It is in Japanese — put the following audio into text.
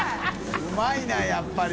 うまいなやっぱり。